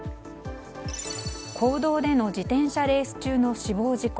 公道での自転車レース中の死亡事故。